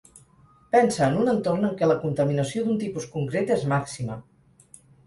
Pensa en un entorn en què la contaminació d'un tipus concret és màxima.